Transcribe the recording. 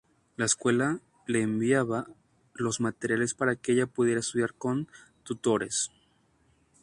La escuela le enviaba los materiales para que ella pudiera estudiar con tutores.